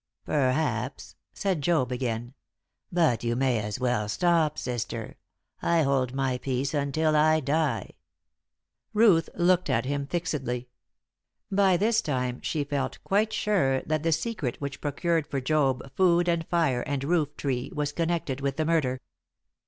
"Perhaps," said Job again. "But you may as well stop, sister. I hold my peace until I die." Ruth looked at him fixedly. By this time she felt quite sure that the secret which procured for Job food, and fire, and roof tree, was connected with the murder.